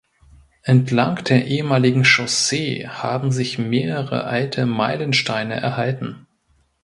Entlang der ehemaligen Chaussee haben sich mehrere alte Meilensteine erhalten.